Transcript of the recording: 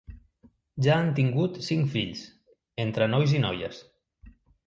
Ja han tingut cinc fills, entre nois i noies.